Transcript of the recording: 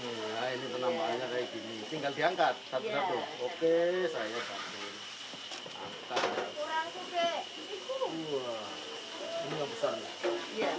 nah ini penambahannya kayak gini